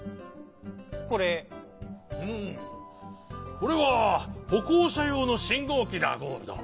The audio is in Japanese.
これはほこうしゃようのしんごうきだゴールド。